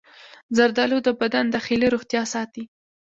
زردآلو د بدن داخلي روغتیا ساتي.